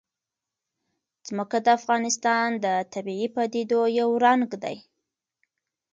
ځمکه د افغانستان د طبیعي پدیدو یو رنګ دی.